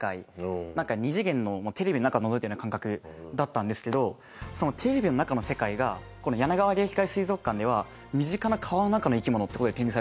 二次元のテレビの中をのぞいてるような感覚だったんですけどそのテレビの中の世界がこのやながわ有明海水族館では身近な川の中の生き物って事で展示されてるんですよ。